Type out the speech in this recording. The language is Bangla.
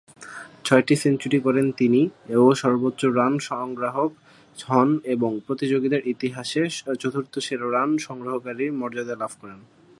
ছয়টি সেঞ্চুরি করেন তিনি ও সর্বোচ্চ রান সংগ্রাহক হন এবং প্রতিযোগিতার ইতিহাসে চতুর্থ সেরা রান সংগ্রহকারীর মর্যাদা লাভ করেন।